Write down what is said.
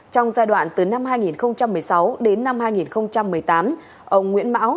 trong giai đoạn từ năm hai nghìn một mươi sáu đến năm hai nghìn một mươi tám ông nguyễn mão